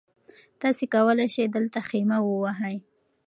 تاسي کولای شئ دلته خیمه ووهئ.